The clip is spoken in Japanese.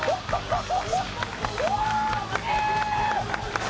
うわ、すげぇ。